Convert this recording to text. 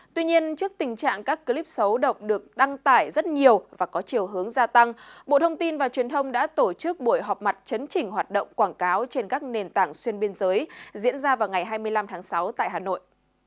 tuy nhiên trước tình trạng các clip xấu độc được đăng tải rất nhiều và có chiều hướng gia tăng bộ thông tin và truyền thông đã tổ chức buổi họp mặt chấn chỉnh hoạt động quảng cáo trên các nền tảng xuyên biên giới diễn ra vào ngày hai mươi năm tháng sáu tại hà nội